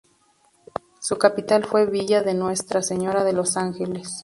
Su capital fue Villa de Nuestra Señora de Los Ángeles.